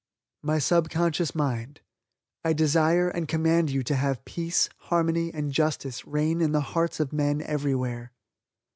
"My Subconscious Mind, I Desire and Command You to Have Peace, Harmony and Justice Reign in the Hearts of Men Everywhere."